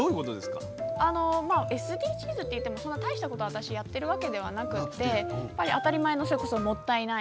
ＳＤＧｓっていっても大したことを私やっているわけではなくて当たり前の「もったいない！」